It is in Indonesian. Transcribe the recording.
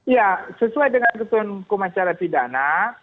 ya sesuai dengan ketentuan kemacara pidana